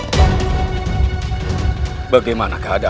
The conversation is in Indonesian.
tidak lepaskan aku kanda